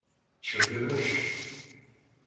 Çıldırmış!